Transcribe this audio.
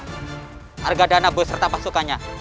harga dana beserta pasukannya